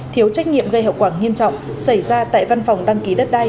thiếu trách nhiệm gây hậu quả nghiêm trọng xảy ra tại văn phòng đăng ký đất đai